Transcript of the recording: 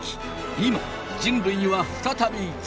今人類は再び月へ。